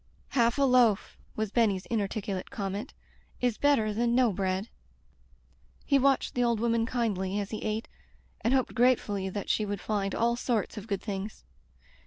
"Half a loaf," was Benny's inarticulate comment, "is better than no bread." He watched the old woman kindly as he ate, and hoped gratefully that she would find all sorts of good things.